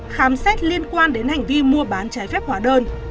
khám xét liên quan đến hành vi mua bán trái phép hóa đơn